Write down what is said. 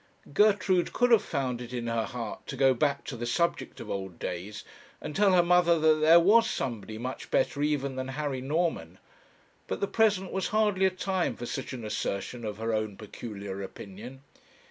Gertrude could have found it in her heart to go back to the subject of old days, and tell her mother that there was somebody much better even than Harry Norman. But the present was hardly a time for such an assertion of her own peculiar opinion.